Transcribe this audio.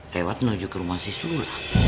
lewat menuju ke rumah si sulap